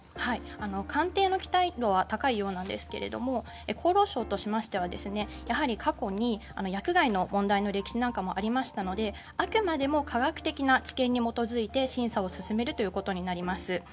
官邸の期待度は高いようなんですが厚労省としましてはやはり過去に薬害の問題の歴史なんかもありましたのであくまでも科学的な知見に基づいて審査を進めるということになります。